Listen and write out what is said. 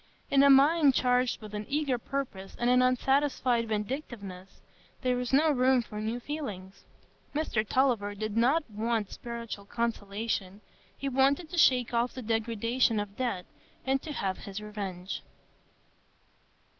In a mind charged with an eager purpose and an unsatisfied vindictiveness, there is no room for new feelings; Mr Tulliver did not want spiritual consolation—he wanted to shake off the degradation of debt, and to have his revenge.